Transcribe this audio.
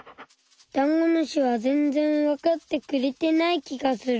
ダンゴムシは全然わかってくれてない気がする。